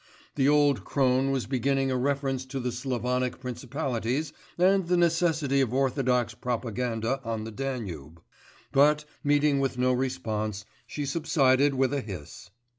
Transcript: The old crone was beginning a reference to the Slavonic principalities and the necessity of orthodox propaganda on the Danube, but, meeting with no response, she subsided with a hiss.